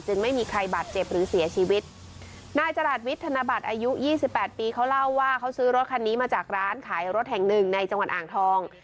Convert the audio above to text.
ไม่มีใครบาดเจ็บหรือเสียชีวิตนายจราชวิทย์ธนบัตรอายุยี่สิบแปดปีเขาเล่าว่าเขาซื้อรถคันนี้มาจากร้านขายรถแห่งหนึ่งในจังหวัดอ่างทอง